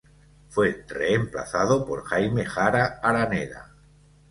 Fue reemplazado por Jaime Jara Araneda.